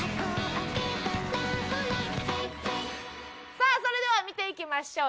さあそれでは見ていきましょう。